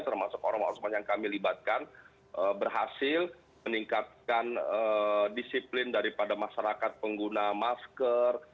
termasuk orang orang yang kami libatkan berhasil meningkatkan disiplin daripada masyarakat pengguna masker